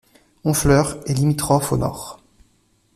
Honfleur est limitrophe au nord.